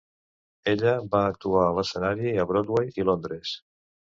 Ella va actuar a l'escenari a Broadway i Londres.